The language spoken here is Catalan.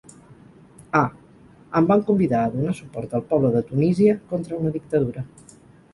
A: Em van convidar a donar suport al poble de Tunísia contra una dictadura.